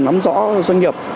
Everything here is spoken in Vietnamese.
nắm rõ doanh nghiệp